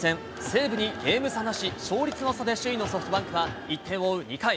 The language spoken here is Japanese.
西武にゲーム差なし、勝率の差で首位のソフトバンクが、１点を追う２回。